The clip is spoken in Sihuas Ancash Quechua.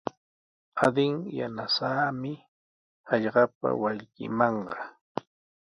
Adin yanasaami hallqapa wallkimanqa.